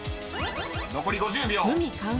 ［残り５０秒］